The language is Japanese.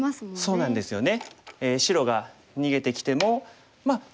そうなんですね。